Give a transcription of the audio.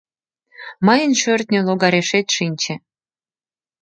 Мыйын шӧртньӧ логарешет шинче!